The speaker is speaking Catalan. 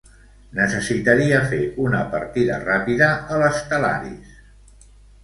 Necessitaria fer una partida ràpida al "Stellaris".